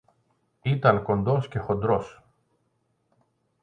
ήταν κοντός και χοντρός